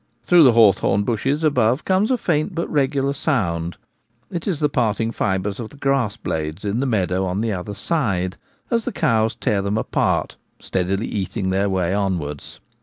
Through the hawthorn bushes above comes a faint but regular sound — it is the parting fibres of the grass blades in the meadow on the other side as the cows tear them apart, steadily eating their way onwards.